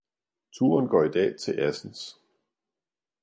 Turen går i dag til Assens